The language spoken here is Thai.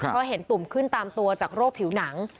เพราะเห็นตุ่มขึ้นตามตัวจากโรคผิวหนัง